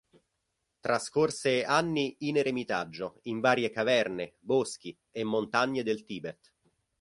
Trascorse anni in eremitaggio in varie caverne, boschi e montagne del Tibet.